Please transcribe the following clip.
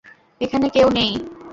এখানে কেউ নেই।